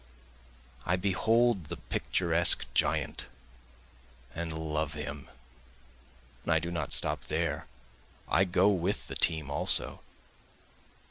I behold the picturesque giant and love him, and I do not stop there, I go with the team also.